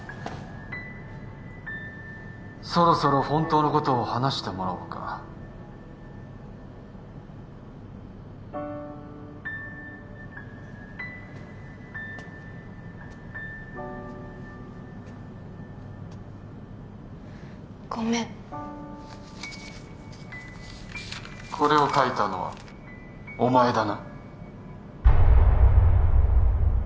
そろそろ本当のことを話してもらおうかごめんこれを書いたのはお前だな